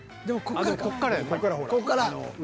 ［でもここからかも］